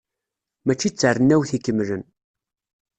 Mačči d tarennawt ikemlen.